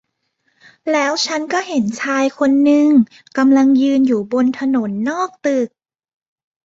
แล้วฉันก็เห็นชายคนหนึ่งกำลังยืนอยู่บนถนนนอกตึกนี้